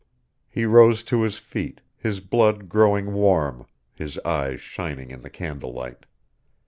He rose to his feet, his blood growing warm, his eyes shining in the candle light.